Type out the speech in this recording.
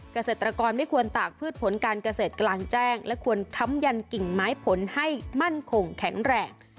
เกษตรกรไม่ควรตากพืชผลการเกษตรกลางแจ้งและควรค้ำยันกิ่งไม้ผลให้มั่นคงแข็งแรง